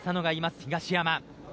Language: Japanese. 東山。